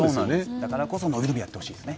だからこそ、伸び伸びやってほしいですね。